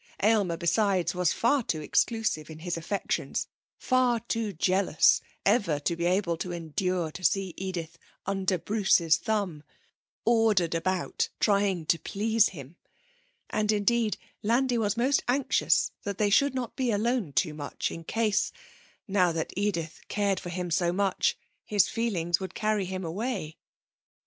Aylmer, besides, was far too exclusive in his affections, far too jealous, ever to be able to endure to see Edith under Bruce's thumb, ordered about, trying to please him; and indeed Landi was most anxious that they should not be alone too much, in case, now that Edith cared for him so much, his feelings would carry him away....